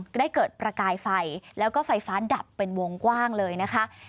ได้เกิดประกายไฟแล้วก็ไฟฟ้าดับเป็นวงกว้างเลยนะคะ